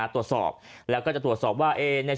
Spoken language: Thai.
ตรวจสอบแล้วก็จะตรวจสอบว่า